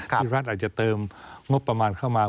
ที่รัฐอาจจะเติมงบประมาณเข้ามา